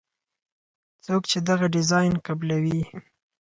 څوک چې دغه ډیزاین قبلوي.